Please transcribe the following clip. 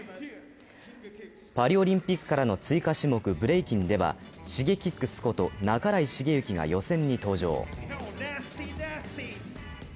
パリオリンピックからの追加種目、ブレイキンではＳｈｉｇｅｋｉｘこと半井重幸が予選に登場。